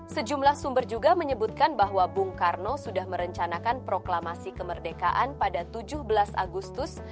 sejumlah sumber juga menyebutkan bahwa bung karno sudah merencanakan proklamasi kemerdekaan pada tujuh belas agustus seribu tujuh ratus enam puluh empat